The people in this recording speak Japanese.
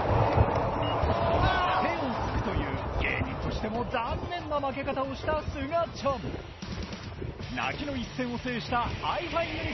手をつくという芸人としても残念な負け方をしたすがちゃん泣きの一戦を制したＨｉ−ＦｉＵｎ！